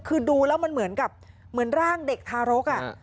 คือดูแล้วมันเหมือนกับเหมือนร่างเด็กทารก